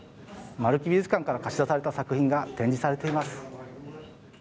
丸木美術館から貸し出された作品が展示されています。